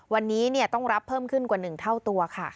วันนี้ต้องรับเพิ่มขึ้นกว่า๑เท่าตัวค่ะ